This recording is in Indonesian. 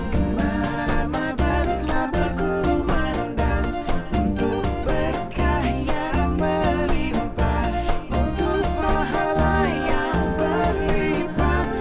kemana ramadhan laburku mandang untuk berkah yang melimpa untuk pahala yang berlipa